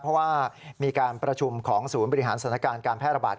เพราะว่ามีการประชุมของศูนย์บริหารสถานการณ์การแพร่ระบาด